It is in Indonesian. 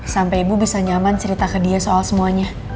sampai ibu bisa nyaman cerita ke dia soal semuanya